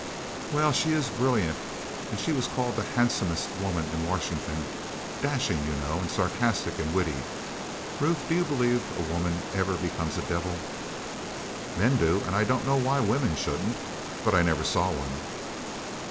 "Well, she is brilliant; she was called the handsomest woman in Washington dashing, you know, and sarcastic and witty. Ruth, do you believe a woman ever becomes a devil?" "Men do, and I don't know why women shouldn't. But I never saw one."